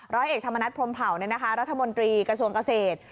ร้อยเอกธรรมนัฐพรมเผารัฐมนตรีกระทรวงเกษตร